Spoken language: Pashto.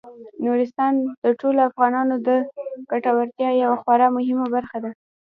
نورستان د ټولو افغانانو د ګټورتیا یوه خورا مهمه برخه ده.